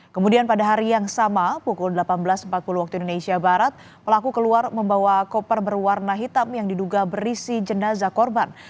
kemudian pada hari yang sama pukul delapan belas empat puluh waktu indonesia barat pelaku keluar membawa koper berwarna hitam yang diduga berisi jenazah korban